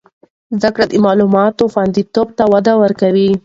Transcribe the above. زده کړه د معلوماتو خوندیتوب ته وده ورکوي.